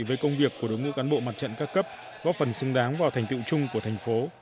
với công việc của đội ngũ cán bộ mặt trận các cấp góp phần xứng đáng vào thành tựu chung của thành phố